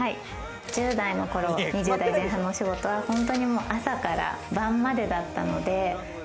１０代の頃、２０代前半のお仕事は、本当に朝から晩までだったので。